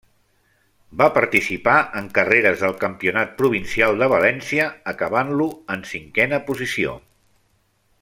Va participar en carreres del Campionat Provincial de València, acabant-lo en cinquena posició.